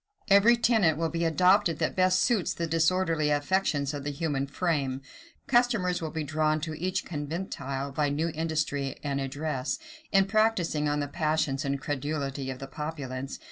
Every tenet will be adopted that best suits the disorderly affections of the human frame. Customers will be drawn to each conventicle by new industry and address, in practising on the passions and credulity of the populace.